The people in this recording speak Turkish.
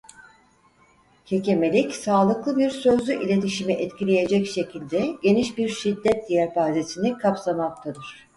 Kekemelik sağlıklı bir sözlü iletişimi etkileyecek şekilde geniş bir şiddet yelpazesini kapsamaktadır.